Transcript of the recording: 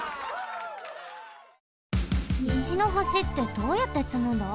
石の橋ってどうやってつむんだ？